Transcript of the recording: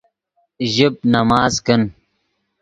ژیب نماز کن